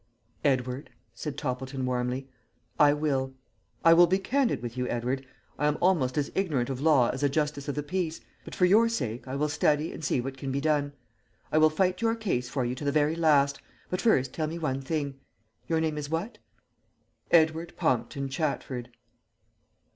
"Edward," said Toppleton warmly, "I will. I will be candid with you, Edward. I am almost as ignorant of law as a justice of the peace, but for your sake I will study and see what can be done. I will fight your case for you to the very last, but first tell me one thing. Your name is what?" "Edward Pompton Chatford."